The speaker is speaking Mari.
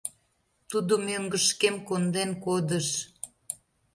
— Тудо мӧҥгышкем конден кодыш.